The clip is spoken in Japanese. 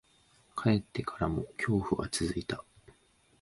帰ってからも、恐怖は続いた。